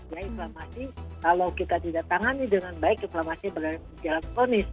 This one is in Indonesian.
ya inflamasi kalau kita tidak tangani dengan baik inflamasi berjalan kronis